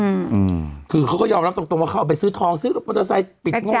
อืมคือเขาก็ยอมรับตรงตรงว่าเข้าไปซื้อทองซื้อรถมอเตอร์ไซค์ปิดงบ